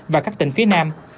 và các tỉnh phía nam